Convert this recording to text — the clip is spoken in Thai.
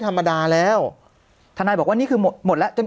ท่านายหรือบอกว่านี่หมดแล้ว